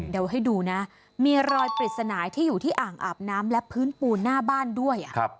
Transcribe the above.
เดี๋ยวให้ดูนะมีรอยปริศนาที่อยู่ที่อ่างอาบน้ำและพื้นปูนหน้าบ้านด้วย